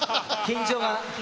緊張が。